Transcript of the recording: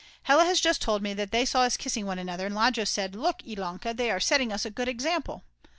Hella has just told me that they saw us kissing one another, and Lajos said: "Look Ilonka, they are setting us a good example."